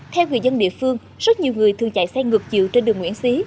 theo người dân địa phương rất nhiều người thường chạy xe ngược chiều trên đường nguyễn xí